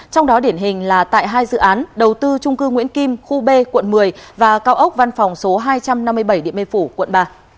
trong đó điển hình là tại hai dự án đầu tư trung cư nguyễn kim khu b quận một mươi và cao ốc văn phòng số hai trăm năm mươi bảy điện biên phủ quận ba